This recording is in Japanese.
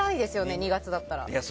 ２月だったら。